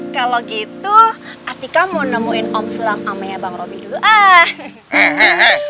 kalo gitu atika mau nemuin om sulam ame bang robi dulu ah